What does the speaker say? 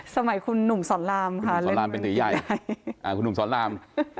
สมัยคุณหนุ่มสอนรามค่ะเป็นตียายใช่หรือเปล่าครับหนุ่มสอนราม